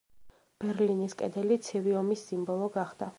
ბერლინის კედელი ცივი ომის სიმბოლო გახდა.